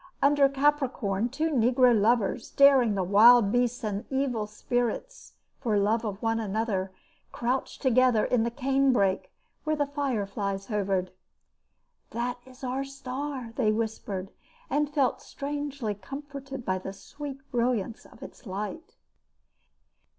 Under Capricorn, two negro lovers, daring the wild beasts and evil spirits, for love of one another, crouched together in a cane brake where the fire flies hovered. "That is our star," they whispered, and felt strangely comforted by the sweet brilliance of its light.